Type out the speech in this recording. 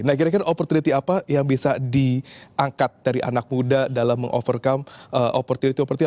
nah kira kira opportunity apa yang bisa diangkat dari anak muda dalam meng overcome opportunity opportunity